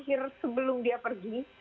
akhir sebelum dia pergi